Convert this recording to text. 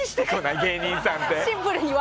芸人さんって。